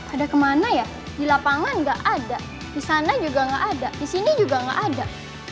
ada kemana ya di lapangan nggak ada di sana juga nggak ada di sini juga nggak ada